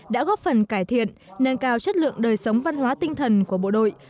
đã góp phần cải thiện nâng cao chất lượng đời sống văn hóa tinh thần của bộ đội